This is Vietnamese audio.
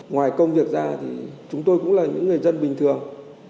ngoài công việc ra thì chúng tôi cũng là những người dân bình thường